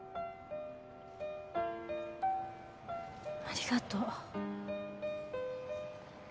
ありがとう。